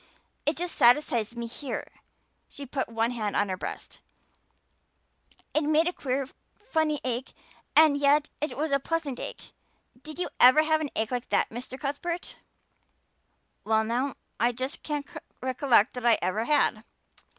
It just satisfies me here" she put one hand on her breast "it made a queer funny ache and yet it was a pleasant ache. Did you ever have an ache like that, Mr. Cuthbert?" "Well now, I just can't recollect that I ever had."